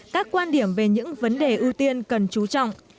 các quan điểm về những vấn đề ưu tiên cần chú trọng